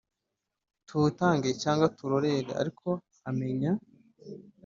Tuwutange cyangwa turorere ariko amenya